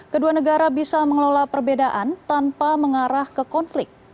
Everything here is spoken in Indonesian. kedua negara bisa mengelola perbedaan tanpa mengarah ke konflik